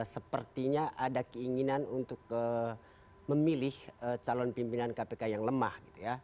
sepertinya ada keinginan untuk memilih calon pimpinan kpk yang lemah